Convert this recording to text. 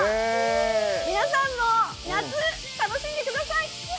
皆さんも夏、楽しんでください。